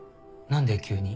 何で急に？